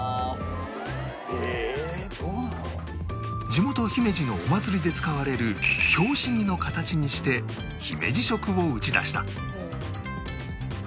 地元姫路のお祭りで使われる拍子木の形にして姫路色を打ち出した